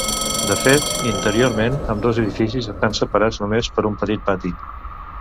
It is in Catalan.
De fet, interiorment ambdós edificis estan separats només per un petit pati.